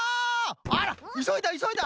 ほらいそいでいそいで！